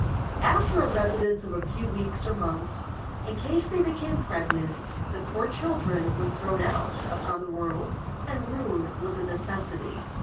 After a residence of a few weeks or months, in case they became pregnant, the poor children were thrown out upon the world, and ruin was a necessity.